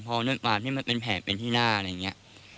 เพราะเรื่องกว่าที่มันเป็นแผงเป็นที่หน้าอะไรอย่างเงี้ย